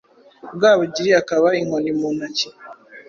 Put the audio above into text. Rwabugiri akaba inkoni mu ntoki